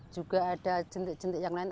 juga ada jentik jentik yang lain